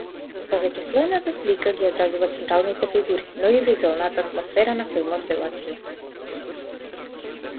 Повеќеслојната слика ги одразува централните фигури, но и вузелната атмосфера на филмот, велат тие.